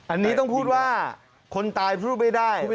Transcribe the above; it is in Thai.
อันนี้ต้องพูดว่าคนตายพูดไม่ได้